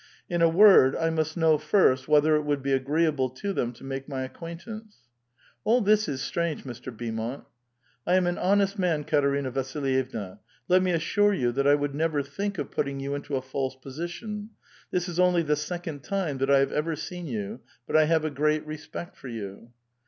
In a word, I roust know first whether it would be agreeable to them to make my acquaintance." ^^ All this is strange, Mr. Beaumont." ^^ I am an honest man, Katerina Vasilyevna ; let me assure you that I would never think of putting yon into a false position ; this is only the second time that I have ever seen you, but I have a great respect for you."